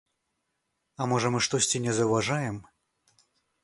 А можа мы штосьці не заўважаем?